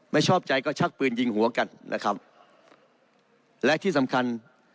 ไม่ชอบใจก็ชักปืนยิงหัวกันนะครับและที่สำคัญ